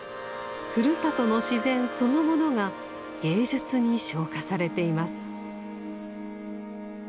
ふるさとの自然そのものが芸術に昇華されています。